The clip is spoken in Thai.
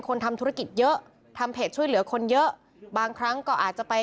ทำธุรกิจเยอะทำเพจช่วยเหลือคนเยอะบางครั้งก็อาจจะไป